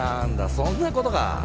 そんなこと？